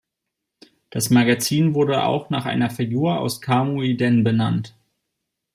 Das Magazin wurde auch nach einer Figur aus "Kamui-den" benannt.